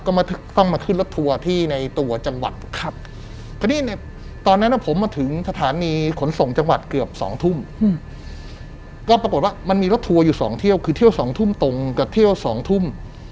คือเที่ยว๒ทุ่มตรงกับเที่ยว๒ทุ่ม